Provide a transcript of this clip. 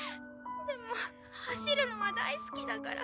でも走るのは大好きだから。